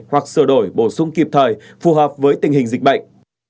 hoặc sửa đổi bổ sung kịp thời phù hợp với tình hình dịch bệnh